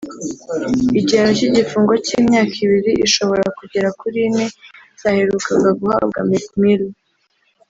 Igihano cy’igifungo cy’imyaka ibiri ishobora kugera kuri ine cyaherukaga guhabwa Meek Mill